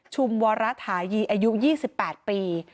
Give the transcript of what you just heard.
ชุมวรรถายีอายุ๒๘ปี